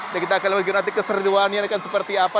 dan kita akan lihat keserduannya akan seperti apa